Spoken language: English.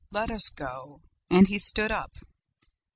Let us go.'" "And he stood up.